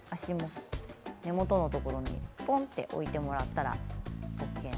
根元のところにぽんと置いてもらったら。